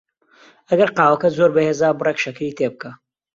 ئەگەر قاوەکەت زۆر بەهێزە، بڕێک شەکری تێ بکە.